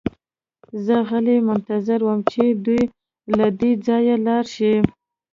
زه غلی منتظر وم چې دوی له دې ځایه لاړ شي